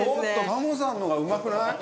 タモさんの方がうまくない？